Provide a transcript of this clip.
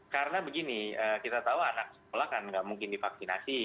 karena begini kita tahu anak sekolah kan nggak mungkin divaksinasi